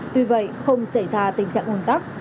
tuy vậy không xảy ra tình trạng ôn tắc